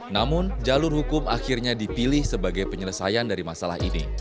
namun jalur hukum akhirnya dipilih sebagai penyelesaian dari masalah ini